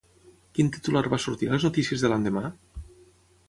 Quin titular va sortir a les notícies de l'endemà?